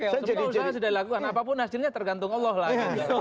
semua usaha sudah dilakukan apapun hasilnya tergantung allah lah